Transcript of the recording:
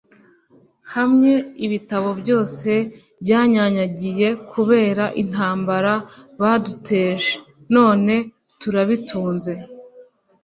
hamwe ibitabo byose byanyanyagiye kubera intambara baduteje, none turabitunze